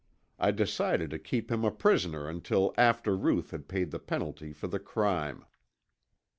I decided to keep him a prisoner until after Ruth had paid the penalty for the crime.